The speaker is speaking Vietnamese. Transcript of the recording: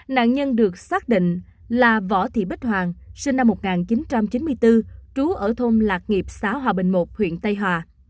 nạn nhân được xác định là võ thị bích hoàng sinh năm một nghìn chín trăm chín mươi bốn trú ở thôn lạc nghiệp xã hòa bình một huyện tây hòa